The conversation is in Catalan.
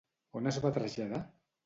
On es va traslladar?